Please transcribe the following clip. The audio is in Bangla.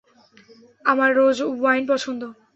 আমার রোজ ওয়াইন পছন্দ।